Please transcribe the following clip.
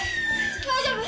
大丈夫？